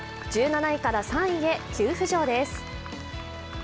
１７位から３位へ急浮上です。